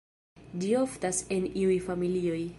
Ĝi oftas en iuj familioj.